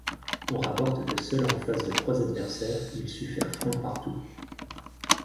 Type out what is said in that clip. On rapporte que seul en face de trois adversaires, il sut faire front partout.